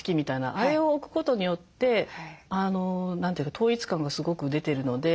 あれを置くことによって統一感がすごく出てるので。